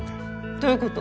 どういうこと？